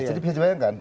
jadi bisa dibayangkan